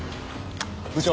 部長。